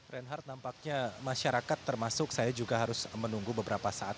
reinhardt nampaknya masyarakat termasuk saya juga harus menunggu beberapa saat